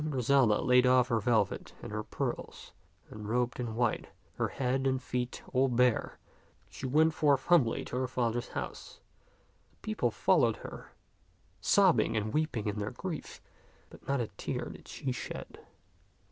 Then Griselda laid off her velvet and her pearls, and robed in white, her head and feet all bare, she went forth humbly to her father's house. The people followed her, sobbing and weeping in their grief, but not a tear did she shed.